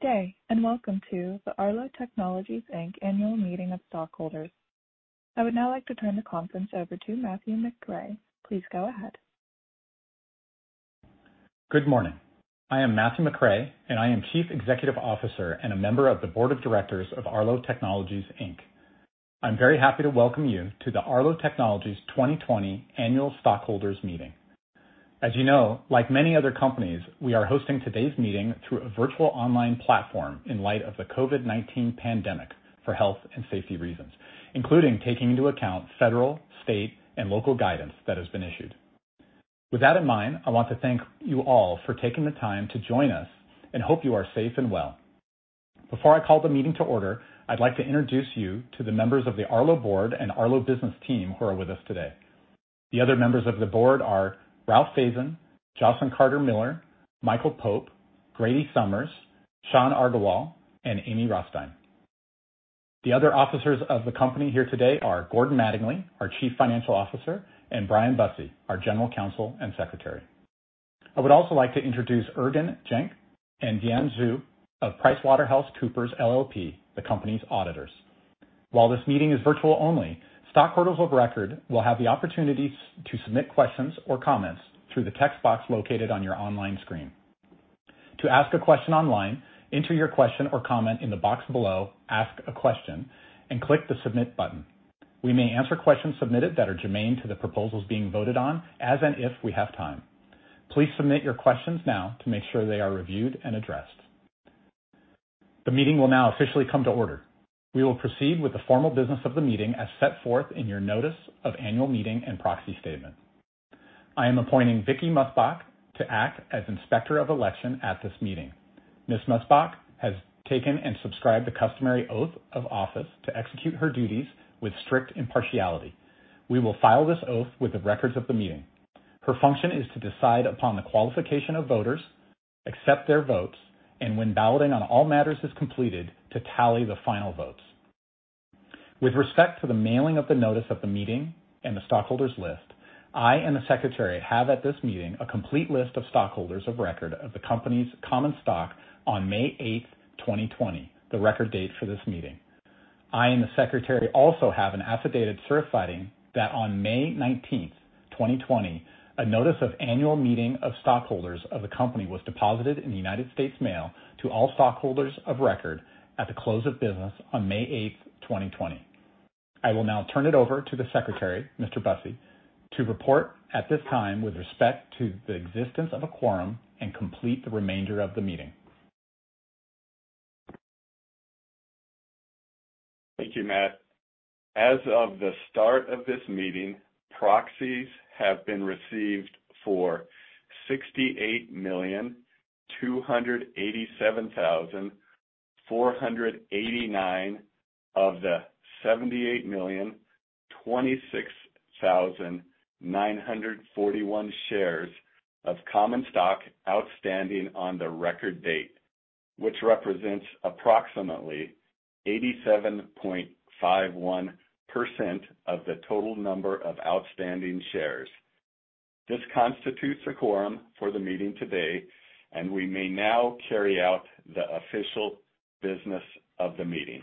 Good day. Welcome to the Arlo Technologies Inc. Annual Meeting of Stockholders. I would now like to turn the conference over to Matthew McRae. Please go ahead. Good morning. I am Matthew McRae, and I am Chief Executive Officer and a member of the Board of Directors of Arlo Technologies Inc. I'm very happy to welcome you to the Arlo Technologies 2020 Annual Stockholders Meeting. As you know, like many other companies, we are hosting today's meeting through a virtual online platform in light of the COVID-19 pandemic for health and safety reasons, including taking into account federal, state, and local guidance that has been issued. With that in mind, I want to thank you all for taking the time to join us and hope you are safe and well. Before I call the meeting to order, I'd like to introduce you to the members of the Arlo Board and Arlo business team who are with us today. The other members of the board are Ralph Faison, Jocelyn Carter-Miller, Michael Pope, Grady Summers, Shawn Agarwal, and Amy Rothstein. The other officers of the company here today are Gordon Mattingly, our Chief Financial Officer, and Brian Busse, our General Counsel and Secretary. I would also like to introduce Erden Jenkins and Deann Zhu of PricewaterhouseCoopers LLP, the company's auditors. While this meeting is virtual only, stockholders of record will have the opportunity to submit questions or comments through the text box located on your online screen. To ask a question online, enter your question or comment in the box below, ask a question, and click the Submit button. We may answer questions submitted that are germane to the proposals being voted on as and if we have time. Please submit your questions now to make sure they are reviewed and addressed. The meeting will now officially come to order. We will proceed with the formal business of the meeting as set forth in your notice of annual meeting and proxy statement. I am appointing Vicki Musbach to act as Inspector of Election at this meeting. Ms. Musbach has taken and subscribed the customary oath of office to execute her duties with strict impartiality. We will file this oath with the records of the meeting. Her function is to decide upon the qualification of voters, accept their votes, and when balloting on all matters is completed, to tally the final votes. With respect to the mailing of the notice of the meeting and the stockholders' list, I and the Secretary have at this meeting a complete list of stockholders of record of the company's common stock on May eighth, 2020, the record date for this meeting. I and the Secretary also have an affidavit certifying that on May 19th, 2020, a notice of annual meeting of stockholders of the company was deposited in the United States Mail to all stockholders of record at the close of business on May eighth, 2020. I will now turn it over to the Secretary, Mr. Busse, to report at this time with respect to the existence of a quorum and complete the remainder of the meeting. Thank you, Matt. As of the start of this meeting, proxies have been received for 68,287,489 of the 78,026,941 shares of common stock outstanding on the record date, which represents approximately 87.51% of the total number of outstanding shares. This constitutes a quorum for the meeting today, and we may now carry out the official business of the meeting.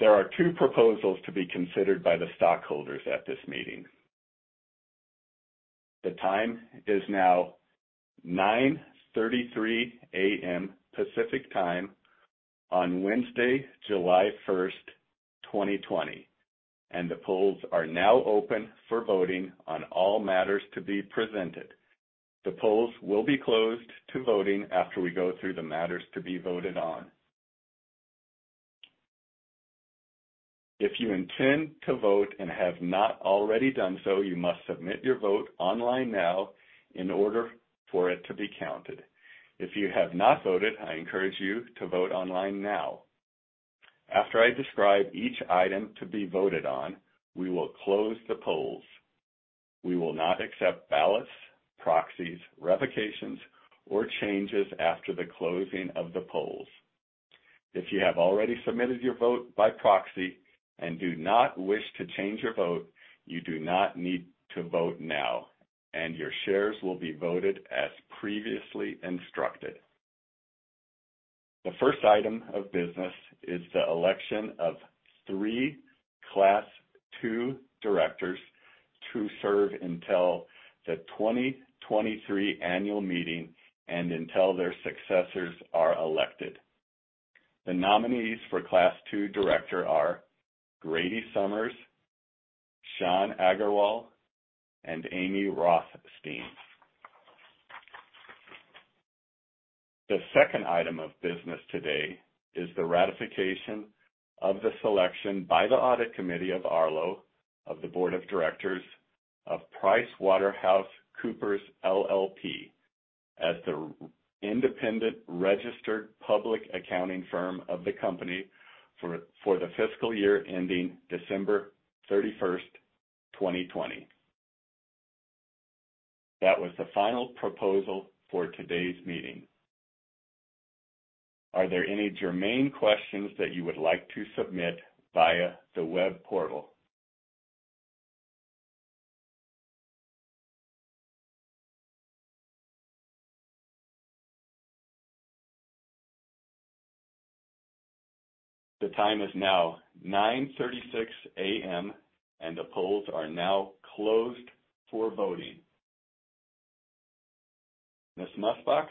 There are two proposals to be considered by the stockholders at this meeting. The time is now 9:33 A.M. Pacific Time on Wednesday, July 1st, 2020, and the polls are now open for voting on all matters to be presented. The polls will be closed to voting after we go through the matters to be voted on. If you intend to vote and have not already done so, you must submit your vote online now in order for it to be counted. If you have not voted, I encourage you to vote online now. After I describe each item to be voted on, we will close the polls. We will not accept ballots, proxies, revocations, or changes after the closing of the polls. If you have already submitted your vote by proxy and do not wish to change your vote, you do not need to vote now, and your shares will be voted as previously instructed. The first item of business is the election of 3 class 2 directors to serve until the 2023 annual meeting and until their successors are elected. The nominees for class 2 director are Grady Summers, Sean Aggarwal, and Amy Rothstein. The second item of business today is the ratification of the selection by the Audit Committee of Arlo of the Board of Directors of PricewaterhouseCoopers LLP as the independent registered public accounting firm of the company for the fiscal year ending December 31st, 2020. That was the final proposal for today's meeting. Are there any germane questions that you would like to submit via the web portal? The time is now 9:36 A.M., and the polls are now closed for voting. Ms. Musbach,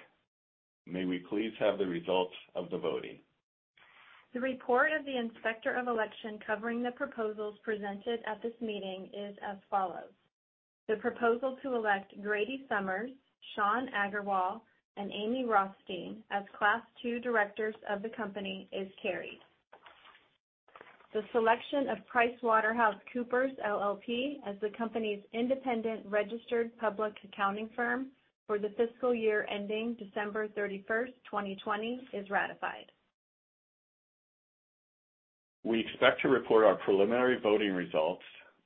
may we please have the results of the voting? The report of the Inspector of Election covering the proposals presented at this meeting is as follows. The proposal to elect Grady Summers, Sean Aggarwal, and Amy Rothstein as class 2 directors of the company is carried. The selection of PricewaterhouseCoopers LLP as the company's independent registered public accounting firm for the fiscal year ending December thirty-first, 2020 is ratified. We expect to report our preliminary voting results,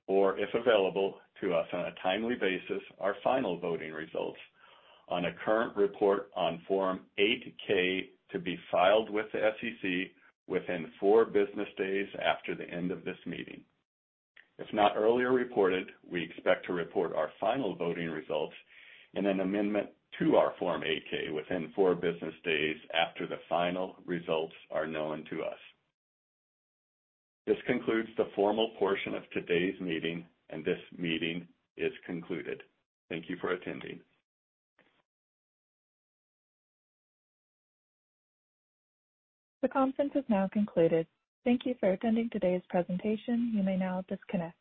or if available to us on a timely basis, our final voting results on a current report on Form 8-K to be filed with the SEC within four business days after the end of this meeting. If not earlier reported, we expect to report our final voting results in an amendment to our Form 8-K within four business days after the final results are known to us. This concludes the formal portion of today's meeting, and this meeting is concluded. Thank you for attending. The conference has now concluded. Thank you for attending today's presentation. You may now disconnect.